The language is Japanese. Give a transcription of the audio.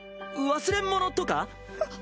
わ忘れ物とか？